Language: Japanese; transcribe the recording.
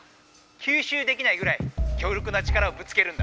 「きゅうしゅうできないぐらい強力な力をぶつけるんだ」。